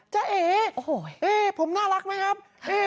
จ้าเอ๋ผมน่ารักไหมครับ